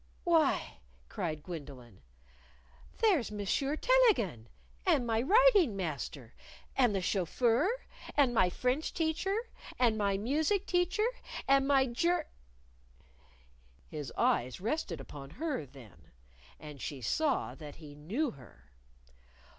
"Why!" cried Gwendolyn; "there's Monsieur Tellegen, and my riding master, and the chauffeur, and my French teacher, and my music teacher, and my Ger !" His eyes rested upon her then. And she saw that he knew her!